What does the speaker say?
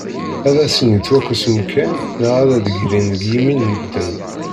Ad asen-yettwakkes umkan neɣ ad d-ggrin deg yimi n medden.